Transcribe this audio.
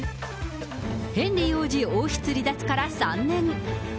ヘンリー王子王室離脱から３年。